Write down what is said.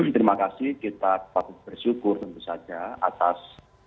terima kasih kita patut bersyukur tentu saja atas